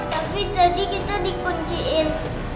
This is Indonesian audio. tapi tadi kita dikunciin